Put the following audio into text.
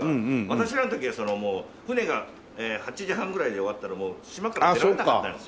私らの時はもう船が８時半ぐらいで終わったらもう島から出られなくなるんですよね。